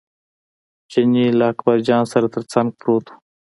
چیني له اکبرجان سره تر څنګ پروت و.